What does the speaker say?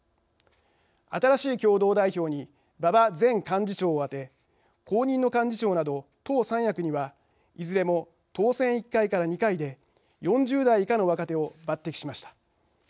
新しい共同代表に馬場前幹事長を充て後任の幹事長など党三役にはいずれも当選１回から２回で４０代以下の若手を抜てきしました。